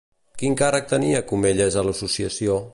Quin càrrec tenia Comellas a l'associació?